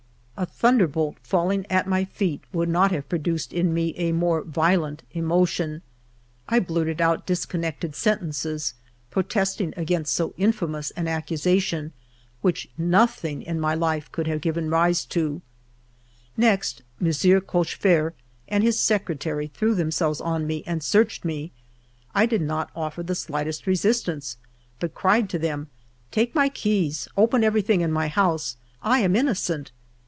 A thunderbolt falling at my feet would not have produced in me a more violent emotion ; I blurted out discon nected sentences, protesting against so infamous an accusation, which nothing in my life could have given rise to. 10 FIVE YEARS OF MY LIFE Next, ]N/I. Cochefert and his secretary threw themselves on me and searched me. I did not offer the slightest resistance, but cried to them :" Take my keys, open everything in my house ; I am innocent."